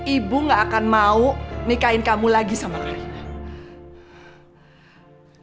ibu nggak akan mau nikahin kamu lagi sama karin